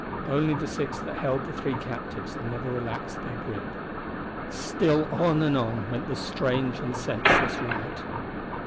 Only the six that held the three captives never relaxed their grip. Still on and on went the strange and senseless rite.